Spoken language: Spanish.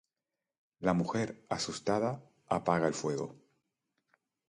La mujer, asustada, apaga el fuego.